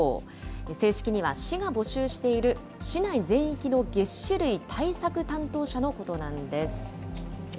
正式には、市が募集している、市内全域のげっ歯類対策担当者のことなんです。